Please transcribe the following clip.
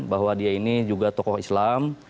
bahwa dia ini juga tokoh islam